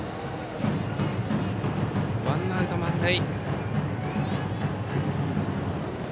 ワンアウト満塁。